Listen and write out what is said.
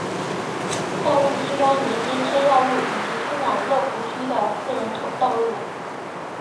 道路西端连接天耀路以及通往乐湖居的私人道路。